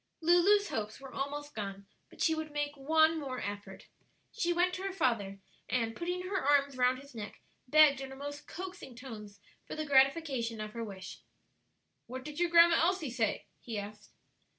Lulu's hopes were almost gone, but she would make one more effort. She went to her father, and putting her arms round his neck, begged in her most coaxing tones for the gratification of her wish. "What did your Grandma Elsie say?" he asked.